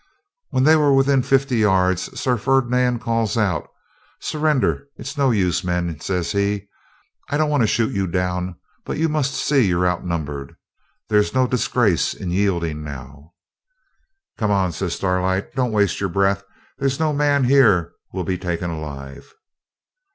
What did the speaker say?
When they were within fifty yards Sir Ferdinand calls out, 'Surrender! It's no use, men,' says he; 'I don't want to shoot you down, but you must see you're outnumbered. There's no disgrace in yielding now.' 'Come on!' says Starlight; 'don't waste your breath! There's no man here will be taken alive.'